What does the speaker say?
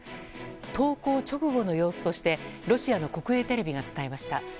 投降直後の様子としてロシアの国営テレビが伝えました。